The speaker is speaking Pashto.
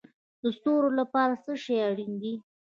د ستورو لپاره څه شی اړین دی؟